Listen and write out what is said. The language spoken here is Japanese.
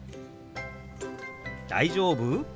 「大丈夫？」